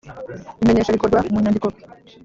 Imenyesha rikorwa mu nyandiko